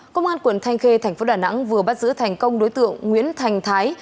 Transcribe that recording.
công an quận thanh khê thành phố đà nẵng vừa bắt giữ thành công đối tượng nguyễn thành thái